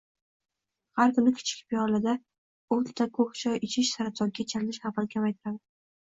Har kuni kichik piyolada o‘nta ko‘k choy ichish saratonga chalinish xavfini kamaytiradi.